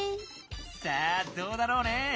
さあどうだろうね。